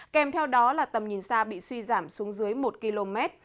kèm theo đó là tầm nhìn xa bị suy giảm xuống dưới một km